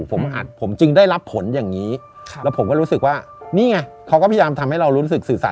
ผมอาจผมจึงได้รับผลอย่างนี้แล้วผมก็รู้สึกว่านี่ไงเขาก็พยายามทำให้เรารู้สึกสื่อสาร